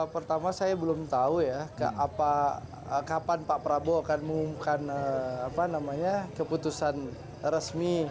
pertama saya belum tahu ya kapan pak prabowo akan mengumumkan keputusan resmi